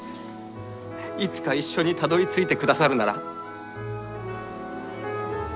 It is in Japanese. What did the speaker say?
いつか一緒にたどりついてくださるなら。